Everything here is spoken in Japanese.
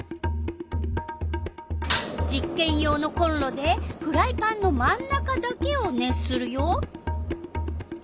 実けん用のコンロでフライパンの真ん中だけを熱するよ。